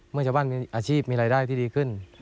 เมื่อชาวบ้านมีอาชีพมีรายได้ที่ดีขึ้น